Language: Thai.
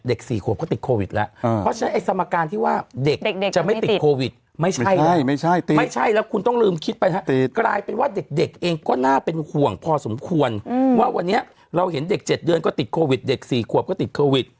เด็ก๔ขวบก็ติดโควิดแล้วเพราะฉะนั้นไอ้สมการที่ว่าเด็กจะไม่ติดโควิด